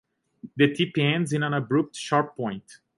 The tip ends in an abrupt sharp point.